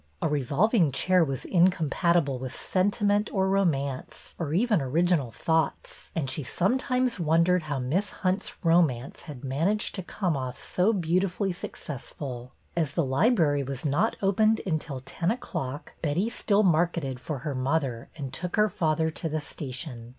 A revolving chair was incompatible with sentiment or romance or even Original Thoughts, and she sometimes wondered how Miss Hunt's romance had managed to come off so beautifully successful. As the library was not opened until ten o'clock, Betty still marketed for her mother and took her father to the station.